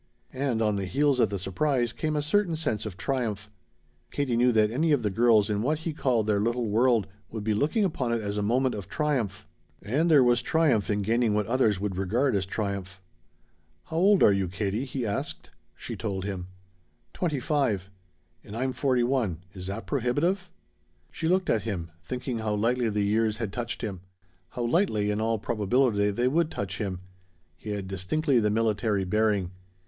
And on the heels of the surprise came a certain sense of triumph. Katie knew that any of the girls in what he called their little world would be looking upon it as a moment of triumph, and there was triumph in gaining what others would regard as triumph. "How old are you, Katie?" he asked. She told him. "Twenty five. And I'm forty one. Is that prohibitive?" She looked at him, thinking how lightly the years had touched him how lightly, in all probability, they would touch him. He had distinctly the military bearing.